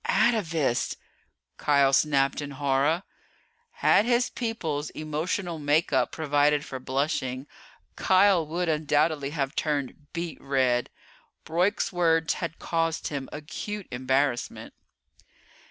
"Atavist!" Kial snapped in horror. Had his people's emotional make up provided for blushing, Kial would undoubtedly have turned beet red. Broyk's words had caused him acute embarrassment.